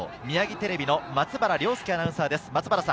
ミヤギテレビの松原稜典アナウンサーです。